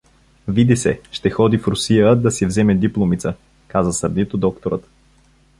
Види се, ще ходи в Русия, да си вземе дипломица — каза сърдито докторът.